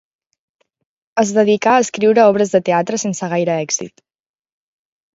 Es dedicà a escriure obres de teatre sense gaire èxit.